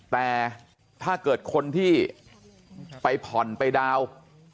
แต่ถ้าเกิดคนที่ไปผ่อนไปดาวน์